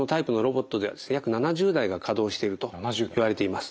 約７０台が稼働しているといわれています。